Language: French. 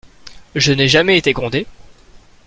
Je n'ai jamais été grondé.